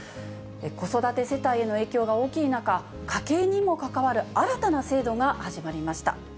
子育て世帯への影響が大きい中、家計にも関わる新たな制度が始まりました。